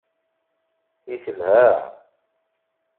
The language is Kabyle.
I telha!